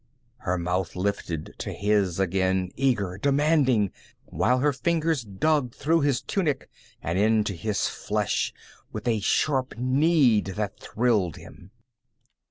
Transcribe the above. Her mouth lifted to his again, eager, demanding, while her fingers dug through his tunic and into his flesh with a sharp need that thrilled him.